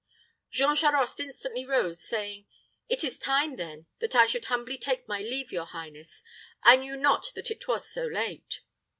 Jean Charost instantly rose, saying, "It is time, then, that I should humbly take my leave, your highness. I knew not that it was so late."